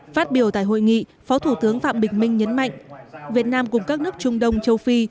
phát biểu tại hội nghị phó thủ tướng phạm bình minh nhấn mạnh việt nam cùng các nước trung đông châu phi